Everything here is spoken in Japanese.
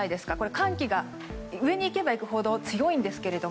寒気が上に行けば行くほど強いんですけど。